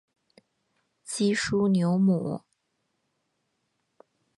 基舒纽姆。